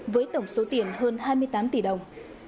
với tổng số tiền hơn hai mươi tám tỷ đồng